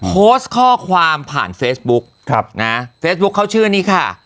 โพสต์ข้อความผ่านเฟซบุ๊คครับนะเฟซบุ๊คเขาชื่อนี้ค่ะ